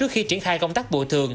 khi triển khai công tác bộ thường